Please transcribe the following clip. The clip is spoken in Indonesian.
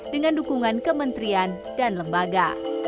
dengan dukungan kementerian dan lembaga